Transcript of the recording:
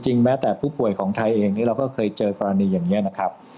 แม้แต่ผู้ป่วยของไทยเองนี้เราก็เคยเจอกรณีอย่างนี้นะครับ